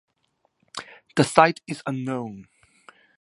The site is unknown.